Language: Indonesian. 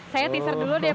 saya teaser dulu deh